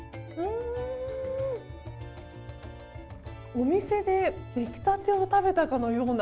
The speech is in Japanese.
お店で出来たてを食べたかのような。